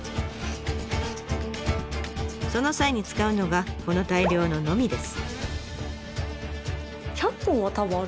その際に使うのがこの大量のノミです。